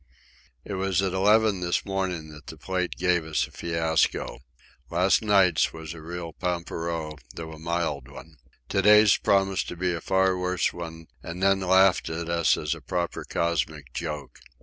It was at eleven this morning that the Plate gave us a fiasco. Last night's was a real pampero—though a mild one. To day's promised to be a far worse one, and then laughed at us as a proper cosmic joke.